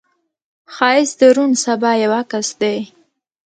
ښایست د روڼ سبا یو عکس دی